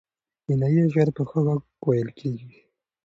غنایي اشعار په ښه غږ ویل کېږي.